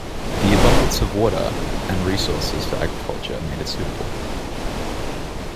The abundance of water and resources for agriculture made it suitable.